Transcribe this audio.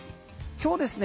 今日ですね